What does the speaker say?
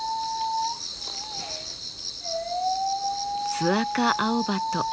ズアカアオバト。